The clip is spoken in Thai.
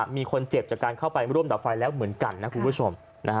มีคนเจ็บจากการเข้าไปร่วมดับไฟแล้วเหมือนกันนะคุณผู้ชม